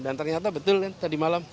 dan ternyata betul kan tadi malam